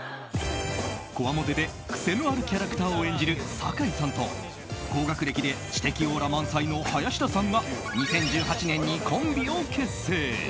こわもてで癖のあるキャラクターを演じる酒井さんと高学歴で知的オーラ満載の林田さんが２０１８年にコンビを結成。